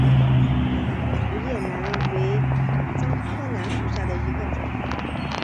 竹叶楠为樟科楠属下的一个种。